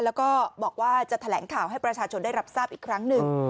แล้วก็บอกว่าจะแถลงข่าวให้ประชาชนได้รับทราบอีกครั้งหนึ่ง